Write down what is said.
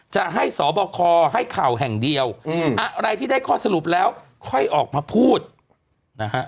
จะให้สบคให้ข่าวแห่งเดียวอะไรที่ได้ข้อสรุปแล้วค่อยออกมาพูดนะฮะ